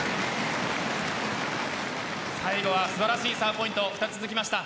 最後は素晴らしいサーブポイント２つ続きました。